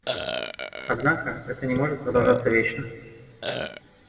Однако это не может продолжаться вечно.